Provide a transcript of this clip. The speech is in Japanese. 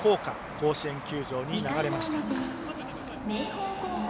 甲子園球場に流れました。